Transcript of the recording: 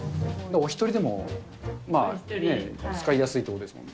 お１人でも使いやすいってことですもんね。